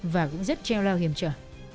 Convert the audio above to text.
và cũng rất treo lao hiểm trở